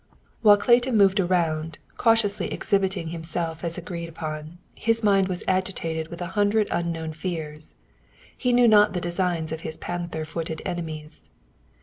While Clayton moved around, cautiously exhibiting himself as agreed upon, his mind was agitated with a hundred unknown fears. He knew not the designs of his panther footed enemies.